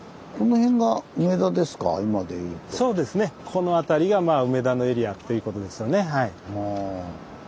この辺りが梅田のエリアっていうことですよね。